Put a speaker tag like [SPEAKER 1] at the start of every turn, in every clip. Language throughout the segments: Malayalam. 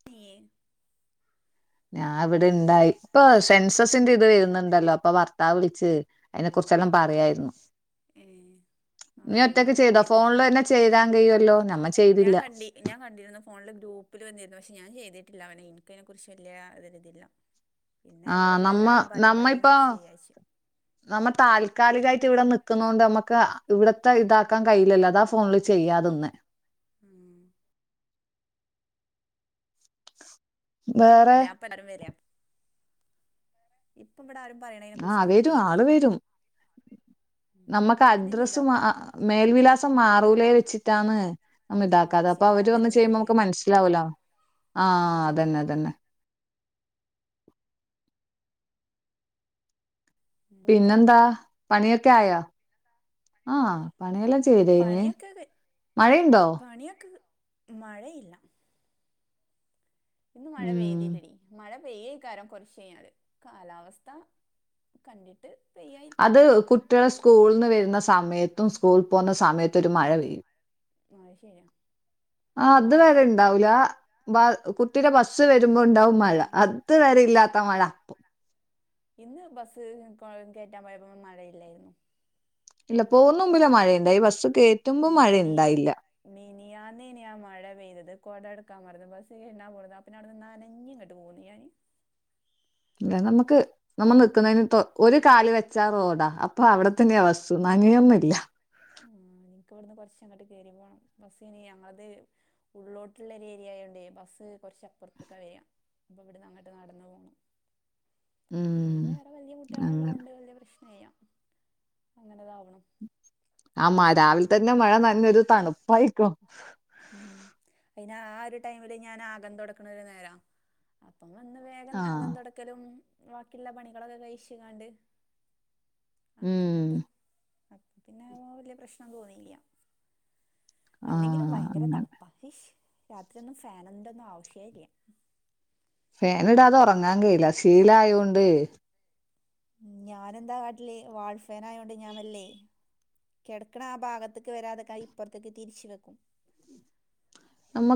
[SPEAKER 1] [inaudible]
[SPEAKER 2] ഞാൻ ഇവിടെ ഇണ്ടായി. ഇപ്പൊ സെൻസസിന്റെ ഇത് വരുന്നുണ്ടല്ലോ? അപ്പൊ, ഇത്താ വിളിച്ച്. അതിനെക്കുറിച്ചെല്ലാം പറയായിരുന്നു.
[SPEAKER 1] ഏ
[SPEAKER 2] നീ
[SPEAKER 1] ആഹ്
[SPEAKER 2] ഒറ്റക്ക്
[SPEAKER 1] ഞാനത്
[SPEAKER 2] ചെയ്തോ?
[SPEAKER 1] കേട്ടിരുന്നു
[SPEAKER 2] ഫോണില് തന്നെ ചെയ്താൻ കഴിയുവല്ലോ? ഞങ്ങള്
[SPEAKER 1] ഞാൻ
[SPEAKER 2] ചെയ്തില്ല.
[SPEAKER 1] കണ്ടി ഞാൻ കണ്ടിരുന്നു ഫോണില് ഗ്രൂപ്പില് വന്നിരുന്നു. പക്ഷേ ഞാൻ ചെയ്തിട്ടില്ല. അവനെ എനിക്കതിനെ കുറിച്ച് വലിയ ഒരിതില്ല. പിന്നെ
[SPEAKER 2] ആ
[SPEAKER 1] ഇവിടെ ള്ള
[SPEAKER 2] നമ്മ
[SPEAKER 1] എല്ലാരും പറയുമ്പോ?
[SPEAKER 2] നമ്മ
[SPEAKER 1] അതിന
[SPEAKER 2] ഇപ്പൊ
[SPEAKER 1] നുസരിച്ച് ചെയ്യാ വെച്ച്.
[SPEAKER 2] നമ്മ താൽക്കാലികായിട്ട് ഇവിടെ നിക്കുന്നോണ്ട്, നമ്മക്ക് ഇവിടത്തെ ഇതാക്കാൻ കഴയില്ല ല്ലോ? അതാ ഫോണില് ചെയ്യാ തിന്നെ.
[SPEAKER 1] ഉം
[SPEAKER 2] വേറെ
[SPEAKER 1] [inaudible] ഇപ്പൊ ഇവിടെ ആരും പറയണതിനെ
[SPEAKER 2] ആ
[SPEAKER 1] കുറിച്ച്
[SPEAKER 2] വരും
[SPEAKER 1] കേൾക്കണില്ലേ? ഉം
[SPEAKER 2] നമ്മുക്ക്,
[SPEAKER 1] അപ്പൊ പിന്നെ
[SPEAKER 2] അഡ്രസ്സ്
[SPEAKER 1] ചെയ്താ
[SPEAKER 2] മാ,
[SPEAKER 1] പോരെ
[SPEAKER 2] മേൽവിലാസം മാറൂലേ വെച്ചിട്ടാണ്. നമ്മ
[SPEAKER 1] ആഹ്
[SPEAKER 2] ഇതാക്കാതെ അപ്പൊ അവര് വന്ന് ചെയ്യുമ്പോൾ
[SPEAKER 1] ചെയ്യാതിരുന്നതില്ലേ
[SPEAKER 2] നമ്മക്ക് മനസ്സിലാവില്ല ആഹ്
[SPEAKER 1] ഉം
[SPEAKER 2] അതന്നെ അതന്നെ
[SPEAKER 1] അതല്ലേ
[SPEAKER 2] പിന്നെന്താ പണിയൊക്കെ ആയാ ആഹ് പണിയെല്ലാം ചെയ്തയ്ഞ്ഞ് മഴയുണ്ടോ
[SPEAKER 1] പണിയൊക്ക് മഴയില്ല ഇന്ന് മഴ
[SPEAKER 2] ഉം
[SPEAKER 1] പെയ്തില്ലടി മഴ പെയ്യേകാരം കൊറച്ച് കയിഞ്ഞാല് കാലാവസ്ഥ കണ്ടിട്ട് പെയ്യായിരിക്കും
[SPEAKER 2] അത് കുട്ടിയാളെ സ്കൂൾന്ന് വരുന്ന സമയത്തും സ്കൂൾ പോന്ന സമയത്തും ഒരു മഴ പെയ്യും
[SPEAKER 1] ആഹ് അയ് ശരിയാ
[SPEAKER 2] ആഹ്
[SPEAKER 1] ആ
[SPEAKER 2] അത്
[SPEAKER 1] ഒരു
[SPEAKER 2] വെരേ
[SPEAKER 1] ടൈം
[SPEAKER 2] ഇണ്ടാവൂല ബാ കുട്ടിയുടെ ബസ് വരുമ്പോ ഉണ്ടാവും മഴ
[SPEAKER 1] ഉം.
[SPEAKER 2] അത് വരെ ഇല്ലാത്ത മഴ അപ്പം
[SPEAKER 1] ഇന്ന് ബസ് ക്ക് ഓളീം കേറ്റാൻ പോയപ്പോ ഒന്നും മഴയില്ലായിരുന്നു
[SPEAKER 2] ഇല്ല പോകുന്ന
[SPEAKER 1] ഓ
[SPEAKER 2] മുമ്പിലെ മഴയുണ്ടായി ബസ്സ് കയറ്റുമ്പോ മഴ ഇണ്ടായില്ല
[SPEAKER 1] മിനിയാന്നെനി ആഹ് മഴ പെയ്തത് കൊട എടുക്കാ മറന്ന് ബസ് കേറ്റിടാൻ പോന്നതാ പിന്നെ അവിടുന്ന് നനഞ്ഞ്ങ്ങ ട്ട് പോന്ന് ഞാൻ
[SPEAKER 2] ഇല്ല നമ്മക്ക് നമ്മൾ നിക്കുന്നതിന് തോ ഒരു കാല് വെച്ചാ റോഡാ അപ്പൊ അവിടത്തന്നെയ ബസ്സ് നനയൊന്നുല്ല
[SPEAKER 1] ആഹ് ഇൻക്ക് ഇവിടുന്ന് കൊറച്ചങ്ങട്ട് കേറി പോണം ബസ് അയ്‌ന് ഞങ്ങൾത് ഉള്ളോട്ടുള്ള ഒരു ഏരിയായോണ്ട് ബസ് കൊറച്ചപ്പുറത്ത്ക്കാ വരിക അപ്പൊ ഇവിട്ന്ന് അങ്ങട്ട് നടന്നു പോണം പിന്നെ
[SPEAKER 2] ഉം
[SPEAKER 1] വേറെ വല്ല്യ
[SPEAKER 2] അങ്ങനെ
[SPEAKER 1] കുട്ടികളുള്ളോണ്ട് വല്ല്യ പ്രശ്നം ഇല്ല അങ്ങനെതാവണം
[SPEAKER 2] ആഹ് മ രാവിലെ തന്നെ മഴ നനഞ്ഞാ ഒരു തണുപ്പായിക്കും
[SPEAKER 1] ഉം അയ്‌ന് ആഹ് ഒരു ടൈമില് ഞാൻ ആകം തൊടക്ക്ണ ഒരു നേരാ അപ്പം വന്ന് വേഗം അകം
[SPEAKER 2] ആഹ്
[SPEAKER 1] തൊടക്കലും ബാക്കിയുള്ള പണികളൊക്കെ കഴിച്ചു കാണ്ട്
[SPEAKER 2] ഉം
[SPEAKER 1] അങ്ങനെങ്ങട്ട് അപ്പ പിന്നെ ഓഹ് വല്ല്യ പ്രശ്നം തോന്നിയില്ല അല്ലെങ്കിലും
[SPEAKER 2] ആഹ്
[SPEAKER 1] ഭയങ്കര
[SPEAKER 2] അങ്ങനെ
[SPEAKER 1] തണ്പ്പാ അയിഷ് രാത്രിയൊന്നും ഫാനിന്റെന്നും ആവശ്യേല്ല
[SPEAKER 2] ഫാന് ഇടാതെ ഉറങ്ങാൻ കഴിയില്ല ശീലായൊണ്ട്
[SPEAKER 1] ഉം ഞാനെന്താ കാട്ടല് വാൾഫേനായോണ്ട് ഞാൻ വല്ലേ കെടക്ക്ണ ആ ഭാഗത്ത്ക്ക് വരാതക്കാൻ ഇപ്പുറത്തേക്ക് തിരിച്ച് വെക്കും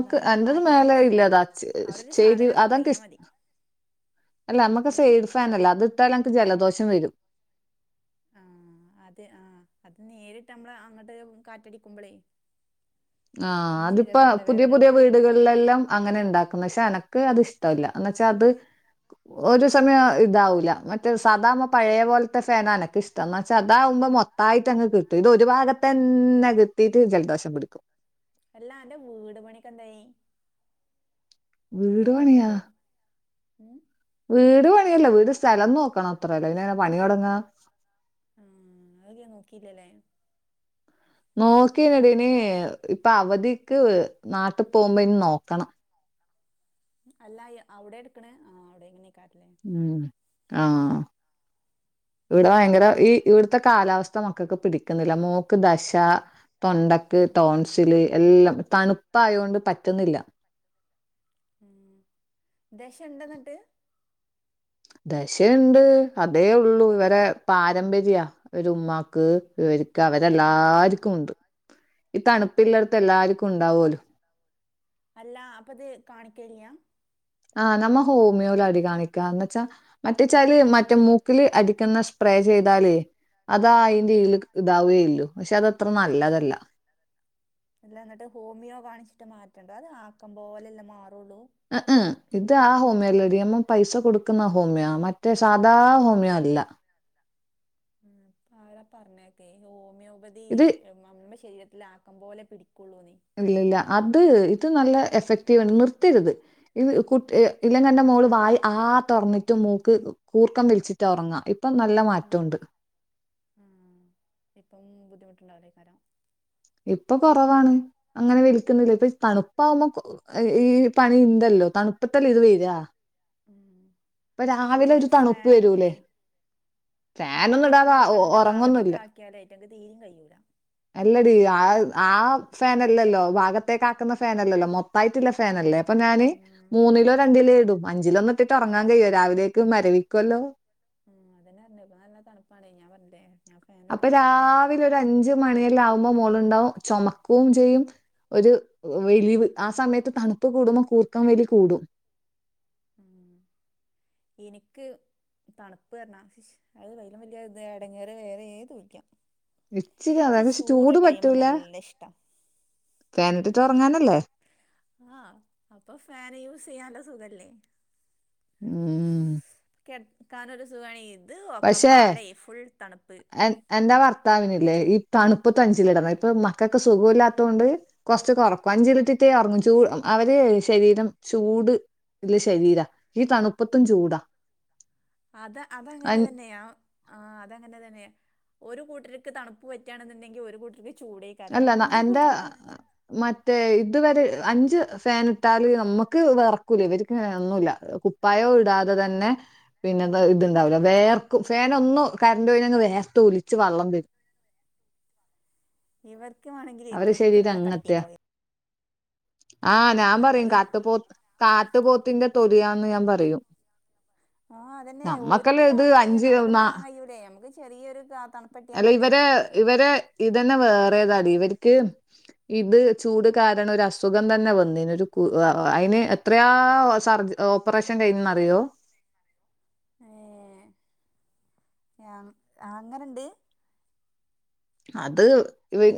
[SPEAKER 1] എന്നാ പിന്നെ
[SPEAKER 2] അന്റത്
[SPEAKER 1] കാറ്റ്
[SPEAKER 2] മേലെ
[SPEAKER 1] നമുക്ക്
[SPEAKER 2] ഇല്ലതാ
[SPEAKER 1] കിട്ടില്ലല്ലോ
[SPEAKER 2] ചെ
[SPEAKER 1] അവിടെ ഒരു
[SPEAKER 2] ചെയ്രീ
[SPEAKER 1] സാധനം നമുക്ക്
[SPEAKER 2] അതൻക്ക്
[SPEAKER 1] ഇറങ്ങിയാൽ
[SPEAKER 2] ഇഷ്
[SPEAKER 1] മതി
[SPEAKER 2] അല്ല നമ്മക്ക് ആഹ്
[SPEAKER 1] ഏ
[SPEAKER 2] സെയഡ് ഫാനല്ലെ അത് ഇട്ടാല് എനക്ക് ജലദോഷം വരും
[SPEAKER 1] ആഹ് അത് ആഹ് അത് നേരിട്ട് നമ്മള് അങ്ങട്ട് കാറ്റടിക്കുമ്പോളേ
[SPEAKER 2] ആഹ് അതിപ്പ പുതിയ
[SPEAKER 1] തൊണ്ടവേദന
[SPEAKER 2] പുതിയ
[SPEAKER 1] എടുക്കും
[SPEAKER 2] വീടുകൾ ളിലെല്ലം അങ്ങനെ ഉണ്ടാക്കുന്നെ പക്ഷെ എനക്ക് അത് ഇഷ്ടവല്ല എന്ന വെച്ചാ അത് ഒരു സമയം ഇതാവൂല്ല മറ്റേ സാദാ ആവുമ്പോ പഴേ പോലത്തെ ഫേനാ എനക്കിഷ്ടം എന്ന പക്ഷെ അതാവുമ്പോ മൊത്തായിട്ട് അങ്ങ് കിട്ടും ഇത് ഒരു ഭാഗത്ത് തന്നെ കിട്ടീട്ട് ജലദോഷം പിടിക്കും
[SPEAKER 1] അല്ലാ അന്റെ വീട് പണിയൊക്കെ എന്തായി
[SPEAKER 2] വീട്
[SPEAKER 1] എന്തേം
[SPEAKER 2] പണിയാ
[SPEAKER 1] നൊക്ക്ണ്ടോ ഉം
[SPEAKER 2] വീട് പണിയല്ലാ വീട് സ്ഥലം നോക്കണം അത്രല്ലോ പിന്നെങ്ങനെ പണി തൊടങ്ങാ
[SPEAKER 1] ആഹ് അത് വേം നോക്കിയില്ല ലെ
[SPEAKER 2] നോക്കീനെടീ ഇനീ ഇപ്പൊ അവധിക്ക് നാട്ടിൽ പോകുമ്പോ ഇനി നോക്കണം
[SPEAKER 1] അല്ല എ അവിടെ എടുക്ക്ണെ ആഹ് അവിടെന്നെക്കാരം ല്ലേ
[SPEAKER 2] ഉം ആഹ് ഇവിട
[SPEAKER 1] ഉം
[SPEAKER 2] ഭയങ്കര ഈ ഇവിടുത്തെ കാലാവസ്ഥ മക്കൾക്ക് പിടിക്കുന്നില്ല മോക്ക് ദശ തൊണ്ടക്ക്
[SPEAKER 1] ഉം
[SPEAKER 2] തോൺശ്യല് എല്ലം തണുപ്പായോണ്ട് പറ്റുന്നില്ല
[SPEAKER 1] ഉം ദശ ഉണ്ട എന്നിട്ട്
[SPEAKER 2] ദശയുണ്ട് അതേ ഉള്ളു ഇവരെ പാരമ്പര്യ ഒരു ഉമ്മാക്ക് ഇവർ
[SPEAKER 1] ഉം
[SPEAKER 2] അവരെല്ലാർക്കും ഉണ്ട് ഈ തണുപ്പില്ലടത്ത എല്ലാർക്കും ഉണ്ടാവൂ ലോ
[SPEAKER 1] അല്ല അപ്പം അത് കാണിക്കല്ല്യാ
[SPEAKER 2] ആഹ് നമ്മ ഹോമിയോലാടി കാണിക്ക എന്തച്ചാ മറ്റേച്ചാല് മറ്റേ മൂക്കില് അടിക്കുന്ന സ് പേ സ്പ്രേ ചെയ്താലേ അത് ആ അയ്ന്റെ
[SPEAKER 1] ഉം
[SPEAKER 2] ഈല് ഇതാവേള്ളു പക്ഷെ അതത്ര നല്ലതല്ല
[SPEAKER 1] അല്ല എന്നിട്ട് ഹോമിയോ കാണിച്ചിട്ട് മാറ്റണ്ടോ അത് ആക്കം പോലെല്ലേ മാറുള്ളൂ
[SPEAKER 2] ഇഹ് ഇഹ്. ഇത് ആ ഹോമിയല്ലെടിയമ്മം പൈസ കൊടുക്കുന്ന ഹോമിയാ മ മറ്റേ സാധാ ഹോമിയ അല്ല
[SPEAKER 1] ആഹ് അ ആരാ പറഞ്ഞക്കെ ഹോമിയോപതി
[SPEAKER 2] ഇത്
[SPEAKER 1] നമ്മ ശരീരത്തില ആക്കം പോലെ പിടിക്കൊള്ളൂന്ന്
[SPEAKER 2] ഇല്ല ഇല്ല അത് ഇത് നല്ല എഫക്റ്റീവണ് ആണ് നിർത്തരുത് ഇത് കു ഇല്ലെങ്ക എന്റെ മോള് വായി ആ ഉറന്നിട്ടും മൂക്ക് കൂർക്കം വിലിച്ചിട്ട് ഉറങ്ങ ഇപ്പം നല്ല മാറ്റമുണ്ട്
[SPEAKER 1] ആഹ് ഇപ്പം ബുദ്ധിമുട്ടുണ്ടാവില്ലേക്കാരം
[SPEAKER 2] ഇപ്പൊ കുറവാണ് അങ്ങനെ വലിക്കുന്നില്ലേ ഇപ്പൊ തണുപ്പാവുമ്പോ ഈ പണി ഉണ്ടല്ലോ തണുപ്പത്തല്ലേ ഇത് വരിക
[SPEAKER 1] ഉം
[SPEAKER 2] ഒരു
[SPEAKER 1] അല്ലെങ്കിലും
[SPEAKER 2] തണുപ്പ് വരൂലേ
[SPEAKER 1] ഫാനൊക്കെ
[SPEAKER 2] ഫാനൊന്നും
[SPEAKER 1] ഫാനൊക്കെ
[SPEAKER 2] ഇടാതെ ഒ
[SPEAKER 1] മക്കളന്റെ ഭാഗത്ത്ക്ക്
[SPEAKER 2] ഒറങ്ങൊന്നുല്ല
[SPEAKER 1] ആക്കിയാലെ അയ്റ്റേക്ക് തിരിം കഴിയൂല
[SPEAKER 2] അല്ലടി അത് ആ ഫാനല്ലല്ലോ ഭാഗത്തേക്ക് ആക്കുന്ന ഫാനല്ലല്ലോ മൊത്ത ത്തായിട്ട്ളള
[SPEAKER 1] ഉം
[SPEAKER 2] ഫാനല്ലേ അപ്പൊ ഞാന്
[SPEAKER 1] ഉം
[SPEAKER 2] മൂന്നിലോ
[SPEAKER 1] ഉം ഉം
[SPEAKER 2] രണ്ടിലോ ഇടും അഞ്ചിലൊന്നു ഇട്ടിട്ട്റങ്ങ ങ്ങാൻ കഴിയോ രാവിലേക്ക് മരവിക്കല്ലോ
[SPEAKER 1] ആഹ് അതന്ന പറിഞ്ഞ ഇപ്പൊ നല്ല തണുപ്പാണേ ഞാൻ പറഞ്ഞില്ലേ ഞാൻ ഫാൻ
[SPEAKER 2] അപ്പൊ
[SPEAKER 1] ഇടലെന്നെ ഇല്ല
[SPEAKER 2] രാവിലെ ഒരു അഞ്ച് മണിയല്ല ആകുമ്പോ മോളുണ്ടാവും ചുമക്കുകയും ചെയ്യും ഒരു വലിവ് ആ സമയത്ത് തണുപ്പ് കൂടുമ്പോൾ കൂർക്കം വലി കൂടും
[SPEAKER 1] ഉം എനിക്ക് തണുപ്പ് പറഞ്ഞ ഇശ് അയ്ലും വലിയ ഇത് എടങ്ങേറ് വേറെ ഏതുല്യാ
[SPEAKER 2] ഇച്ചിരി
[SPEAKER 1] ക്ക്
[SPEAKER 2] അതായത്
[SPEAKER 1] ചൂട് ടൈമ് നല്ല ഇഷ്ട
[SPEAKER 2] ഫാനിട്ടിട്ട്റങ്ങാനല്ലേ
[SPEAKER 1] ആഹ് അപ്പൊ ഫാന് യൂസ് ചെയ്യാണ്ട് സുഖല്ലേ
[SPEAKER 2] ഉം
[SPEAKER 1] കിടക്കാനൊരു സുഖയ്ന് ഇത് ഒക്ക
[SPEAKER 2] പക്ഷേ
[SPEAKER 1] പാട ഫുൾ തണുപ്പ്
[SPEAKER 2] എൻ എന്റെ ഭർത്താവിനല്ലേ ഈ തണുപ്പത്ത അഞ്ചിലിടണം ഇപ്പൊ മക്കൾക്ക് സുഖമില്ലാത്ത കൊണ്ട് കൊറച്ചൊക്കെ കൊറക്കും അഞ്ചിലിറ്റിറ്റേ ഉറങ്ങും ചൂ അവരെ ശരീരം ചൂട് ടുള്ള ശരീരം ഈ തണുപ്പത്തും ചൂടാ
[SPEAKER 1] അത് അതങ്ങനെ
[SPEAKER 2] അൻ
[SPEAKER 1] തന്നെയാ ആ അതങ്ങനെ തന്നെ ഒരു കൂട്ടർക്ക് തണുപ്പ് പറ്റുകാണെന്നുണ്ടെങ്കിൽ ഒരു കൂട്ടർക്ക് ചൂട യ്കാരം
[SPEAKER 2] അല്ല ന
[SPEAKER 1] രണ്ടു
[SPEAKER 2] എന്റെ
[SPEAKER 1] കൂട്ടർക്കും
[SPEAKER 2] മറ്റേ ഇത് വരെ അഞ്ച് ഫാൻ ഇട്ടാൽ നമ്മുക്ക് വിറക്കൂലേ ഇവർക്ക് അങ്ങന ഒന്നുമില്ല പ്പായും ഇടാതെ തന്നെ പിന്നെത് ഇത് ഇണ്ടാവൂല്ല വേയർക്കും ഫാൻ ഒന്നും കറണ്ട് പോയിങ് വേയ ർത്ത് ഒലിച്ച് വെള്ളം വരും
[SPEAKER 1] ഇവർക്ക വേണെങ്കിൽ
[SPEAKER 2] അവരെ
[SPEAKER 1] തൊലിക്ക്
[SPEAKER 2] ശരീരം
[SPEAKER 1] നല്ല
[SPEAKER 2] അങ്ങനത്തെയാ
[SPEAKER 1] കട്ടിണ്ടാവ
[SPEAKER 2] ആഹ് ഞാൻ
[SPEAKER 1] ഏക്കാരം
[SPEAKER 2] പറയും
[SPEAKER 1] അത്
[SPEAKER 2] കാത്തുപോത്ത് കാട്ടുപോത്തിന്റെ തൊലിയാന്ന് ഞാൻ പറയും
[SPEAKER 1] ആഹ് അതന്നെ ഓർക്ക്
[SPEAKER 2] നമ്മക്കെല്ലാം ഇത്
[SPEAKER 1] താങ്ങാ കഴിയും
[SPEAKER 2] അഞ്ച്
[SPEAKER 1] നമുക്ക്
[SPEAKER 2] ന
[SPEAKER 1] താങ്ങാൻ കഴൂല്ലേ നമുക്ക് ചെറിയൊരു കാ തണുപ്പട്ടിയാ
[SPEAKER 2] അല്ല
[SPEAKER 1] തന്നെ
[SPEAKER 2] ഇവരെ ഇവരെ ഇതന്നെ വേറെ ഏതാണ് ഇവർക്ക് ഇത് ചൂട് കാരണം ഒരു അസുഖം തന്നെ വന്നീനും ഒരു കു അയ്ന് എ എത്രയാ സർജ ഓപ്പറേഷൻ കഴുന്നന്ന് അറിയുമോ
[SPEAKER 1] ഏഹ് അങ്ങനുണ്ട്
[SPEAKER 2] അത്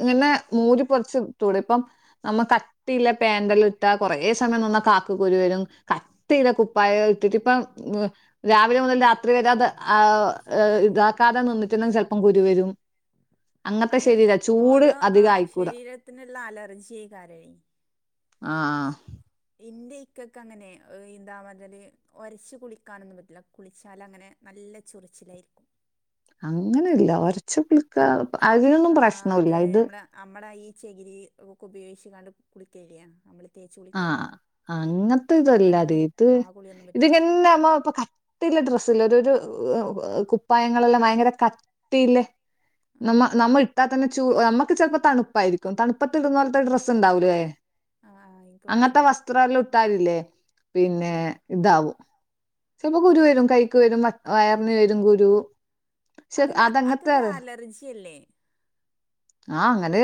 [SPEAKER 2] ഇങ്ങനെ മൂടിപൊതച്ച് തൂടി ഇപ്പം നമ്മ കട്ടില്ല പാൻഡെല്ലും ഇട്ടാ കൊറെ സമയം നിന്ന കുരു വരും കട്ടിള്ള കുപ്പായ ഇട്ടിട്ട് ഇപ്പം രാവിലെ മുതൽ രാത്രി വരെ അത് ആ ഹ് ഇതാക്കാതെ നിന്നിട്ടന്നും ചെലപ്പം കുരു വരും അങ്ങത്തെ
[SPEAKER 1] അത്
[SPEAKER 2] ശരീരാ ചൂട്
[SPEAKER 1] ഓരോ ആ
[SPEAKER 2] അധികം ആയിക്കൂട
[SPEAKER 1] ശരീരത്തിനുള്ള അലർജി ഏഴ്ക്കാരെ
[SPEAKER 2] ആഹ്
[SPEAKER 1] ഇന്റെ ഇക്കക്ക അങ്ങനെ എന്താ പറതല് ഒരച്ചു കുളിക്കാനൊന്നും പറ്റില്ല കുളിച്ചാലങ്ങനെ നല്ല ചൊറിച്ചിലായിരിക്കും
[SPEAKER 2] അങ്ങനെ ഇല്ല ഒരച്ച് കുളിക്കാ അതിനൊന്നും
[SPEAKER 1] ആ അത്
[SPEAKER 2] പ്രശ്നഇല്ല ഇത്
[SPEAKER 1] നമ്മളെ നമ്മടെ ഈ ചെകിരി ഒക്കെ ഉപയോഗിച്ച് കണ്ട് കുളിക്കയില്ലേ നമ്മള് തേച്ച് കുളിക്കാ
[SPEAKER 2] ആഹ് അങ്ങനത്തെ ഇതല്ലത്
[SPEAKER 1] അങ്ങനൊന്നും ആ കുളിയൊന്നും പറ്റില്ല
[SPEAKER 2] ഇതിങ്ങനെമ്മ ഇപ്പ കട്ടല്ല ഡ്രസ്ല്ല ഒരു ഇത് കുപ്പായങ്ങളെല്ലാം ഭയങ്കര ക ട്ടില്ലേ
[SPEAKER 1] ആ
[SPEAKER 2] നമ്മ നമ്മ ഇട്ടാ തന്നെ ചൂ നമ്മക്ക് ചെലപ്പോ തണുപ്പായിരിക്കും തണുപ്പത്ത് ഇടുന്നപോലത്തെ ഡ്രസ്ണ്ടാവൂല്ലേ
[SPEAKER 1] ആഹ്
[SPEAKER 2] അങ്ങനത്തെ വസ്ത്രം എല്ലാം ഇട്ടാലില്ലേ
[SPEAKER 1] ആ
[SPEAKER 2] പിന്നെ
[SPEAKER 1] ആ
[SPEAKER 2] ഇതാവും ചിലപ്പം കുരു വരും കൈക്ക് വരും വയറിനു വരും കുരു പക്ഷെ
[SPEAKER 1] അതല
[SPEAKER 2] അതങ്ങനത്തെ
[SPEAKER 1] അതൊരു അലർജി അല്ലേ
[SPEAKER 2] ആഹ് അങ്ങനെ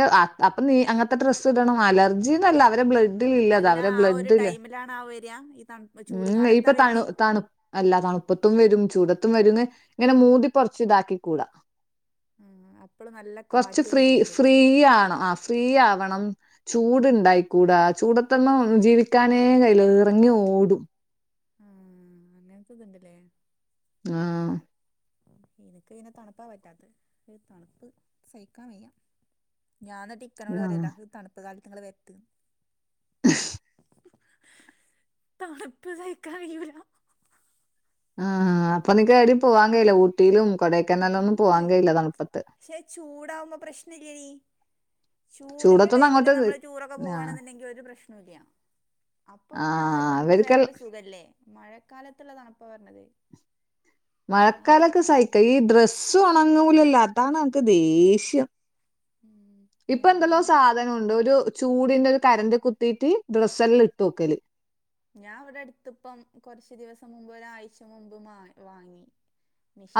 [SPEAKER 2] അപ്പൊ നീ അങ്ങനത്തെ ഡ്രസ് ഇടണം അലർജിന്നല്ല അവരെ ബ്ലഡ് ല്ലത
[SPEAKER 1] അല്ല
[SPEAKER 2] അവരെ
[SPEAKER 1] ആ ഒരു
[SPEAKER 2] ബ്ലഡില്
[SPEAKER 1] ടൈമിലാണ് ആ വരിക ഈ തണു ചൂട്
[SPEAKER 2] മ്
[SPEAKER 1] കാലത്താ
[SPEAKER 2] ഇപ്പൊ തണു
[SPEAKER 1] വരുന്നേ
[SPEAKER 2] തണു അല്ല തണുപ്പത്തും വരും ചൂടത്തും വരും ഇങ്ങനെ മൂതിപൊറച്ചു ഇതാക്കി കൂടാ
[SPEAKER 1] ആ അപ്പള് നല്ല
[SPEAKER 2] കൊറച്ച്
[SPEAKER 1] കാറ്റ്
[SPEAKER 2] ഫ്രീ ഫ്രീ
[SPEAKER 1] കൊള്ളേണ്ടിയിരിക്കാല്ലേ
[SPEAKER 2] ആവണംആഹ് ഫ്രീ ആവണം ചൂട്ണ്ടായിക്കൂടാ ചൂടതൊന്നും ജീവിക്കാനേ കയ്യില്ല ഇറങ്ങി ഓടും
[SPEAKER 1] ആഹ് അങ്ങനത്തെതുണ്ടല്ലേ
[SPEAKER 2] ആഹ്
[SPEAKER 1] എനക്ക് ഇന്നേ തണുപ്പാ പറ്റാത്ത ഒരു തണുപ്പ് സഹിക്കാൻ വയ്യ ഞാൻ ന്ന്ട് ഇക്കനോട്
[SPEAKER 2] ആ
[SPEAKER 1] പറയല് തണുപ്പ് കാലി നിങ്ങള് വക്ക് തണുപ്പ് സഹിക്കാൻ കഴിയൂല്ല
[SPEAKER 2] ആഹ്അപ്പൊ നിക്കാരും പോകാൻ കയില്ല ഊട്ടിലും കൊടെ
[SPEAKER 1] മൂന്നുപേര് ക്ഷെ ചൂടാവുമ്പോ പ്രശ്ന ഇല്ലീ ചൂടിന്റെ
[SPEAKER 2] ചൂടത്തൊന്നും
[SPEAKER 1] ടൈമില്
[SPEAKER 2] അങ്ങോട്ട്
[SPEAKER 1] നമ്മള്
[SPEAKER 2] നി-
[SPEAKER 1] ടൂറൊക്കെ
[SPEAKER 2] ആ
[SPEAKER 1] പൂവാണെന്നൊണ്ടെങ്കിലു ഒരു പ്രശ്നോല്ല അപ്പൊ പിന്നെ ആ ഒരു തണുപ്പ്
[SPEAKER 2] അവർക്കെല്ലാം
[SPEAKER 1] വേറൊരു സുഖല്ലേ മഴക്കാലത്തുള്ള തണുപ്പാ പറഞ്ഞത് ആ ഒരു
[SPEAKER 2] മഴക്കാലൊക്കെ സഹിക്ക ഈ ഡ്രസ്സ്‌ ഒണങ്ങൂല്ലല്ലാ അതാണ് നമക്ക് ദേഷ്യം
[SPEAKER 1] ഉം
[SPEAKER 2] ഇപ്പൊ
[SPEAKER 1] ഞാൻ
[SPEAKER 2] എന്ത ലോ സ
[SPEAKER 1] പിന്നെ
[SPEAKER 2] അത ണ്ട് ഒരു ചൂടിന്റെ ഒരു കരണ്ട് കുത്തീട്ട് ഡ്രസ്സല്ലാം ഇട്ട് വെക്കല്
[SPEAKER 1] ഞാൻ അവിടെ അടുത്തിപ്പം കുറച്ച ദിവസം മുമ്പ് ഒരാഴ്ച മുമ്പ് മ വാങ്ങി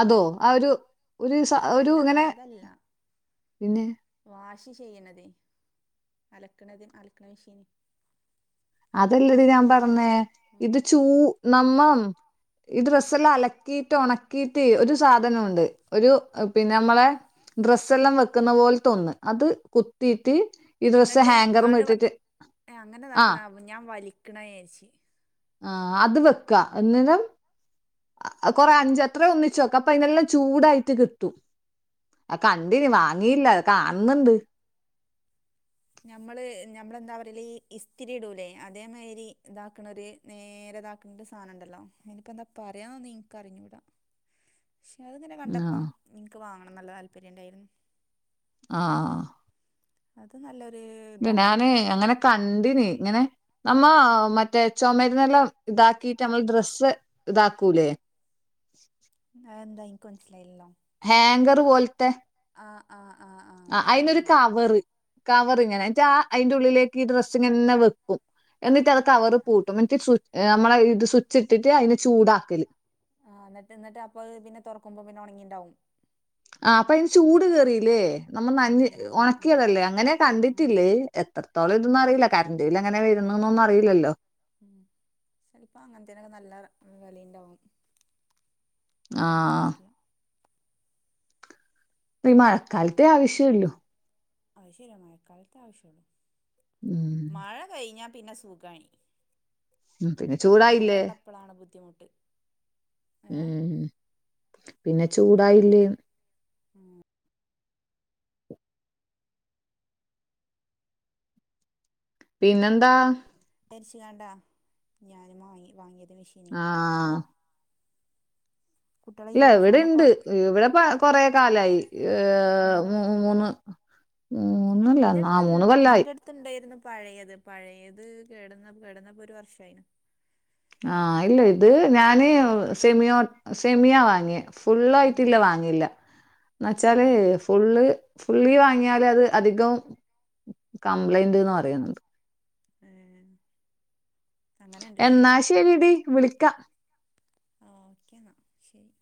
[SPEAKER 2] അതോ ആ ഒരു ഒരു സ ഒരു
[SPEAKER 1] അതല്ല
[SPEAKER 2] ഇങ്ങനെ
[SPEAKER 1] അതല്ല
[SPEAKER 2] പിന്നെ
[SPEAKER 1] വാഷ് ചെയ്യണതേ അലക്കണത് അലക്കണ മെഷീന്
[SPEAKER 2] അതല്ലടി ഞാൻ പറഞ്ഞേ ഇത്
[SPEAKER 1] ഉം
[SPEAKER 2] ചൂ നമ്മ ഈ ഡ്രസ്സ എല്ലാം അലക്കിയിട്ട് ഉണക്കിയിട്ട് ഒരു സാധനമുണ്ട് ഒരു പിന്നെ നമ്മളെ ഡ്രസ്സ എല്ലാം വെക്കുന്ന പോൽത്തെ ഒന്ന് അത് കുത്തീട്ട്
[SPEAKER 1] എന്നിട്ട് ആണ്ട് ഏഹ്
[SPEAKER 2] ആ
[SPEAKER 1] അങ്ങനെതാക്കണ ഞാൻ വലിക്കണ വിചാരിച്
[SPEAKER 2] ആഹ് അത് വെക്കാ എന്നരം കൊറെ അഞ്ചത്ര ഒന്നിച്ച് വെക്ക അപ്പൊ ഇതിനെല്ലാം ചൂടായിട്ട് കിട്ടും അഹ്
[SPEAKER 1] ആ,
[SPEAKER 2] കണ്ടിന് വാങ്ങിയില്ല അത് കാണുന്നുണ്ട്
[SPEAKER 1] നമ്മള് നമ്മളെന്താ പറയല് ഈ ഇസ്തിരിയിടൂല്ലേ അതേമാതിരി ഇതാക്ക്ണ ഒരു നേരെ ഇതാക്കണ്ട് സാനം ഉണ്ടല്ലോ ഇനിക്കെന്താ പറയാനൊന്നും ഇൻക്ക് അറിഞ്ഞൂടാ പക്ഷേ അത്ങ്ങനെ കണ്ടപ്പം
[SPEAKER 2] ആഹ്
[SPEAKER 1] നിക്ക് വാങ്ങണം നല്ല താല്പര്യം ഉണ്ടായിരുന്നു
[SPEAKER 2] ആഹ്
[SPEAKER 1] അത് നല്ലൊരു
[SPEAKER 2] ട്ട്
[SPEAKER 1] ഇതാണല്ലോ
[SPEAKER 2] ഞാന് അങ്ങനെ കണ്ടിന് ഇങ്ങനെ നമ്മ മറ്റേ ചുമരുന്നെല്ലാം ഇതാക്കിട്ട് നമ്മൾ ഡ്രസ്സ് ഇതാക്കൂലേ
[SPEAKER 1] അയെന്താ ഇൻക്ക് മനസ്സിലായില്ലല്ലോ
[SPEAKER 2] ഹേങ്കർ പോൽത്തെ
[SPEAKER 1] ആഹ് ആഹ് ആഹ് ആഹ്
[SPEAKER 2] ആ അയിനൊരു കവറ് കവർ ഇങ്ങനെ ഇജാ അയ്ൻ്റെ ഉള്ളിലേക്ക് ഈ ഡ്രസ്ങ്ങനെ വെ എന്നിട്ട് അത് കവറ് പൂട്ടും എന്നിട്ട് സ്വി നമ്മളെ ഇത് സ്വുച്ച് ഇട്ടിട്ട് അയ്നെ ചൂടാക്കല്
[SPEAKER 1] ആഹ് ഇന്നട്ട് ന്നട്ട്അപ്പൊ പിന്നെ തൊറക്ക്മ്പോ പിന്നെ ഒണങ്ങിയിണ്ടാവും
[SPEAKER 2] ആ അപ്പ അയ്ന് ചൂട് കേറില്ലേ നമ്മൾ നഞ്
[SPEAKER 1] ആഹ് ആഹ് ആഹ്
[SPEAKER 2] ഒണക്കിയതല്ലേ അങ്ങനെ
[SPEAKER 1] ആഹ് ആഹ്
[SPEAKER 2] കണ്ടിട്ടില്ലേ എത്രത്തോളം ഇതൊന്നു അറിയില്ല കറ്ൻ്റ്ബില്ലെങ്ങനെ വരുന്നു ന്നൊന്നും അറിയില്ലല്ലോ
[SPEAKER 1] ഉം ചെൽപ്പൊ അങ്ങൻത്തേനൊക്കെ നല്ല ഉം വെലിണ്ടാവും പറയാനൊന്നും
[SPEAKER 2] ആഹ്
[SPEAKER 1] പറ്റില്ല
[SPEAKER 2] ഇപ്പ ഈ മഴക്കാലത്തെ ആവശ്യള്ളു
[SPEAKER 1] അത് ശരിയാ മഴക്കാലത്ത് ആവശ്യള്ളു
[SPEAKER 2] ഉം
[SPEAKER 1] മഴ കഴിഞ്ഞാ പിന്നെ സുഖായി
[SPEAKER 2] ഉം പിന്നെ
[SPEAKER 1] മഴ
[SPEAKER 2] ചൂടായില്ലേ
[SPEAKER 1] ഉള്ളപ്പളാണ് ബുദ്ധിമുട്ട് ഏഹ്
[SPEAKER 2] ഉം പിന്നെ ചൂടായില്ലേ
[SPEAKER 1] ഉം
[SPEAKER 2] പിന്നെന്താ
[SPEAKER 1] തെര്ച്ച്കാണ്ടാ ഞാൻ വാങ്ങ വാങ്ങിയത് മെഷീ
[SPEAKER 2] ആഹ്
[SPEAKER 1] കുട്ടികളെ
[SPEAKER 2] ഇല്ല ഇവിടെ
[SPEAKER 1] യൂണിഫോമൊക്കെ
[SPEAKER 2] ഇണ്ട് ഇവിടെ പ കൊറേ കാലായി ഏഹ്
[SPEAKER 1] ഉം
[SPEAKER 2] മൂ മൂന്ന് മൂന്നല്ല നാ മൂന്ന് കൊല്ലായി
[SPEAKER 1] ത്ത്ണ്ടായിരുന്നു പഴയത് പഴയത് കേടന്ന കേടന്നപ്പോ ഒരു വർഷായി
[SPEAKER 2] ആഹ് ഇല്ല ഇത് ഞാന് സെമിയോ സെമിയാ വാങ്ങിയ
[SPEAKER 1] ഉം
[SPEAKER 2] ഫുള്ളായിട്ടില്ല വാങ്ങില്ല എന്ന വെച്ചാല്
[SPEAKER 1] ഉം
[SPEAKER 2] ഫുള്ള് ഫുള്ളി വാങ്ങിയാൽ അത് അധികം കംപ്ലൈൻ്റ്ന്ന് പറയുന്നുണ്ട്
[SPEAKER 1] ഏഹ് അങ്ങനെ ഇണ്ട്ല്ലേ
[SPEAKER 2] എന്നാ ശെരിടി വിളിക്കാ
[SPEAKER 1] [unintelligible] ക്കെ ന്ന ശരി